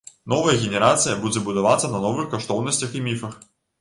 Новая генерацыя будзе будавацца на новых каштоўнасцях і міфах.